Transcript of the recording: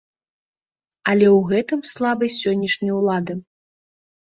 Але ў гэтым слабасць сённяшняй улады.